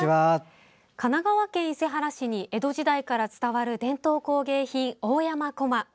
神奈川県伊勢原市に江戸時代から伝わる伝統工芸品大山こま。